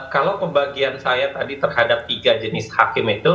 kalau pembagian saya tadi terhadap tiga jenis hakim itu